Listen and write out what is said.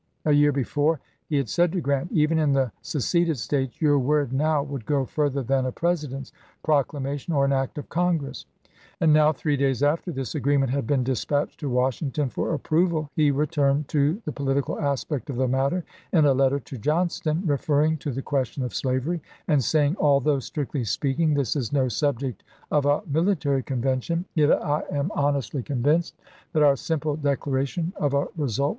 A year before he had said to Grant, " Even in the seceded States, your word now would go further than a to &S2t, President's proclamation or an act of Congress"; ism. ' and now, three days after this agreement had been apl 21,1865 dispatched to Washington for approval, he returned to the political aspect of the matter in a letter to Johnston, referring to the question of slavery, and saying, "Although, strictly speaking, this is no subject of a military convention, yet I am honestly convinced that our simple declaration of a result 250 ABEAHAM LINCOLN Chap.